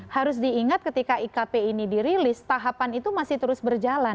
harus diingat ketika ikp ini dirilis tahapan itu masih terus berjalan